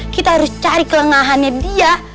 kita harus cari kelengahannya dia